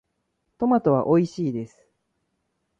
トマトはおいしいです。